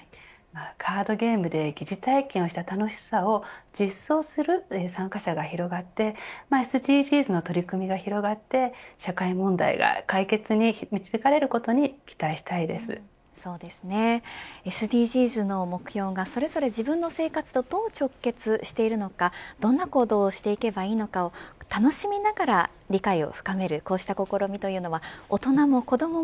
カードゲームで疑似体験をした楽しさを実装する参加者が広がってＳＤＧｓの取り組みが広がって社会問題が解決に導かれることにＳＤＧｓの目標がそれぞれ自分の生活とどう直結しているのかどんな行動をしていけばよいのかを楽しみながら理解を深めるこうした試みというのは大人も子どもも